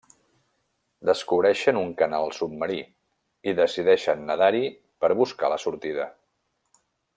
Descobreixen un canal submarí, i decideixen nedar-hi per buscar la sortida.